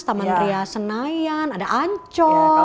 taman ria senayan ada ancol